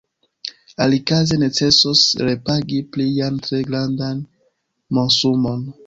Alikaze necesos repagi plian, tre grandan monsumon.